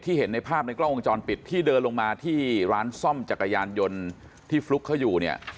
เห็นในภาพในกล้องวงจรปิดที่เดินลงมาที่ร้านซ่อมจักรยานยนต์ที่ฟลุ๊กเขาอยู่เนี่ย